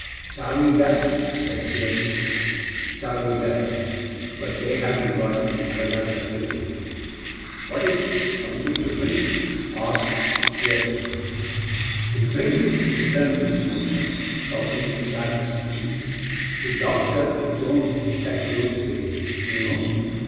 'Charley does?' said Steerforth. 'Charley does. But they haven't got any of the Madagascar Liquid.' 'What is it? Something to drink?' asked Steerforth. 'To drink?' returned Miss Mowcher, stopping to slap his cheek. 'To doctor his own moustachios with, you know.